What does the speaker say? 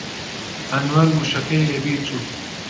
ئەنوەر وشەکەی لەبیر چوو.